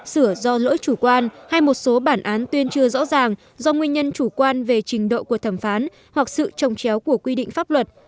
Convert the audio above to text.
sửa do lỗi chủ quan hay một số bản án tuyên chưa rõ ràng do nguyên nhân chủ quan về trình độ của thẩm phán hoặc sự trồng chéo của quy định pháp luật